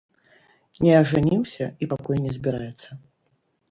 Не ажаніўся і пакуль не збіраецца.